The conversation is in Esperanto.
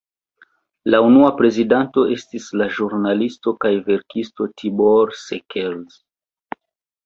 La unua prezidanto estis la ĵurnalisto kaj verkisto Tibor Sekelj.